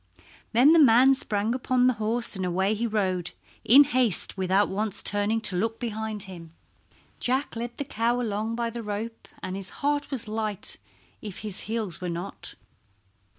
Then the man sprang upon the horse and away he rode in haste without once turning to look behind him. Jack led the cow along by the rope, and his heart was light if his heels were not.